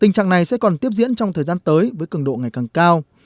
tình trạng này sẽ còn tiếp diễn trong thời gian tới với cường độ ngày càng cao